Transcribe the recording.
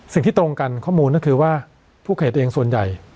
สิ่งที่ตรงกันข้อมูลนั่นคือว่าผู้เขียนตัวเองส่วนใหญ่